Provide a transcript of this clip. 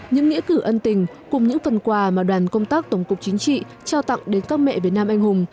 những nghĩa cử ân tình cùng những phần quà mà đoàn công tác tổng cục chính trị trao tặng đến các mẹ việt nam anh hùng